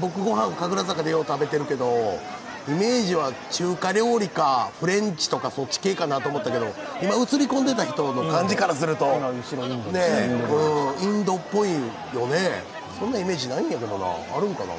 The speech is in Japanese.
僕、ご飯、神楽坂でよう食べてるけど、イメージは中華料理かフレンチとかそっち系かなと思っていたけど、今映り込んでいた人の感じからするとインドっぽいよね、そんなイメージないんやけどな、あるんかな。